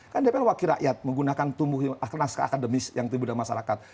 kan dpr wakil rakyat menggunakan tumbuh akademis yang timbulkan masyarakat